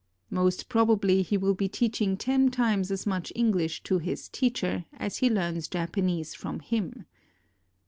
Most probably he will be teaching ten times as much English to his "teacher" as he learns Japanese from him.